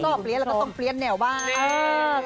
พอต้อเปลี่ยนเราก็ต้องเปลี่ยนแนวบ้าง